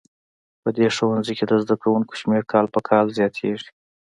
په دې ښوونځي کې د زده کوونکو شمېر کال په کال زیاتیږي